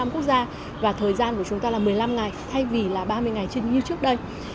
hai mươi năm quốc gia và thời gian của chúng ta là một mươi năm ngày thay vì là ba mươi ngày trên như trước đây